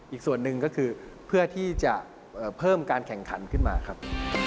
อีกส่วนหนึ่งก็คือเพื่อที่จะเพิ่มการแข่งขันขึ้นมาครับ